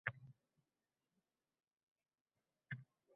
va ikki barobar jazolanishadi.